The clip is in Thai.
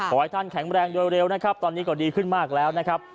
ขอให้ท่านแข็งแรงโดยเร็วนะครับตอนนี้ก็ดีขึ้นมากแล้วนะครับ